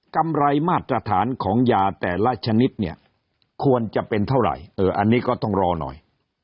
กำไรมาตรฐานของยาแต่ละชนิดเนี่ยควรจะเป็นเท่าไหร่อันนี้ก็ต้องรอหน่อย